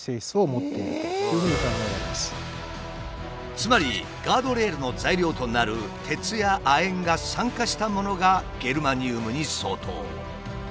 つまりガードレールの材料となる鉄や亜鉛が酸化したものがゲルマニウムに相当。